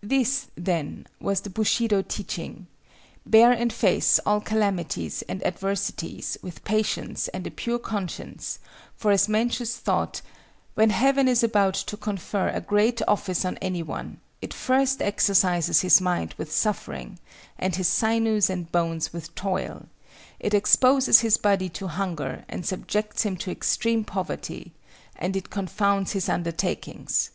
This, then, was the Bushido teaching—Bear and face all calamities and adversities with patience and a pure conscience; for as Mencius taught, "When Heaven is about to confer a great office on anyone, it first exercises his mind with suffering and his sinews and bones with toil; it exposes his body to hunger and subjects him to extreme poverty; and it confounds his undertakings.